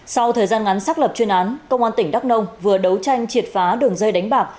sau thời gian ngắn xác lập chuyên án công an tỉnh đắk nông vừa đấu tranh triệt phá đường dây đánh bạc